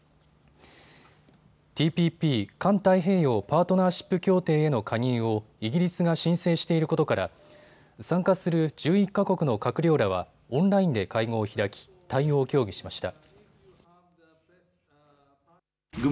ＴＰＰ・環太平洋パートナーシップ協定への加入をイギリスが申請していることから参加する１１か国の閣僚らはオンラインで会合を開き、対応を協議しました。